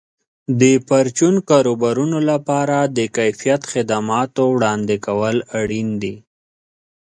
د پرچون کاروبارونو لپاره د کیفیت خدماتو وړاندې کول اړین دي.